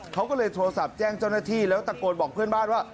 เขาก็เลยโทรศัพท์แจ้งเจ้าหน้าที่แล้วตะโกนบอกเพื่อนบ้านว่า